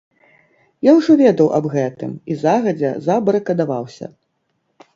Я ўжо ведаў аб гэтым і загадзя забарыкадаваўся.